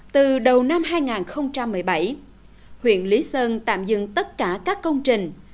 từ đầu năm hai nghìn một mươi bảy huyện lý sơn tạm dừng tất cả các công trình